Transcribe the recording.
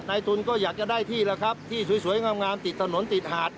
ทุนก็อยากจะได้ที่แล้วครับที่สวยงามติดถนนติดหาด